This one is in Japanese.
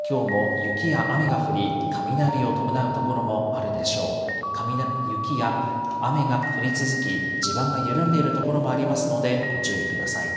雪や雨が降り続き、地盤が緩んでいる所もありますので、ご注意ください。